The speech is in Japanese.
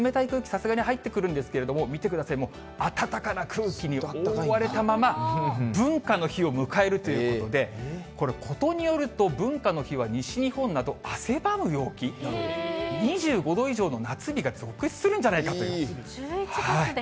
さすがに入ってくるんですけど、見てください、もう、暖かな空気に覆われたまま、文化の日を迎えるということで、これ、ことによると文化の日は西日本など汗ばむ陽気、２５度以上の夏日１１月で？